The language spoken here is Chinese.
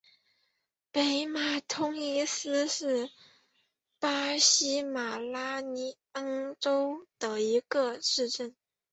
北马通伊斯是巴西马拉尼昂州的一个市镇。